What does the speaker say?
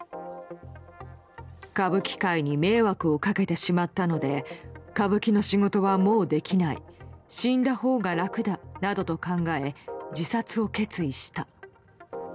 歌舞伎界に迷惑をかけてしまったので、歌舞伎の仕事はもうできない、死んだほうが楽だなどと考え、自殺を決意した。